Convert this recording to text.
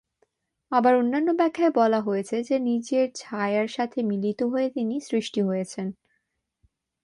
আবার অন্যান্য ব্যাখ্যায় বলা হয়েছে যে নিজের ছায়ার সাথে মিলিত হয়ে তিনি সৃষ্টি হয়েছেন।